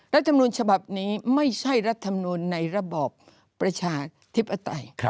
รัฐมนุนฉบับนี้ไม่ใช่รัฐมนูลในระบอบประชาธิปไตย